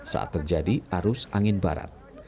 saat terjadi arus angin barat